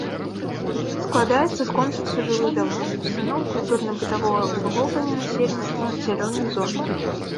Складаецца з комплексу жылых дамоў, устаноў культурна-бытавога абслугоўвання насельніцтва, зялёных зон.